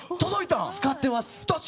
使ってます。